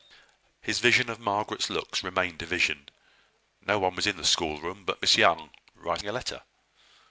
His vision of Margaret's looks remained a vision. No one was in the schoolroom but Miss Young, writing a letter.